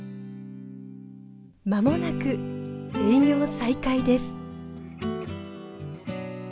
間もなく営業再開です。